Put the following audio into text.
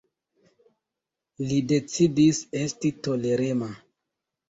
Li decidis esti tolerema.